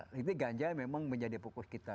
jadi ganja memang menjadi fokus kita